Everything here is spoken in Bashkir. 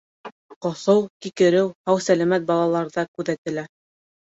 Ҡоҫоу, кикереү һау-сәләмәт балаларҙа күҙәтелә.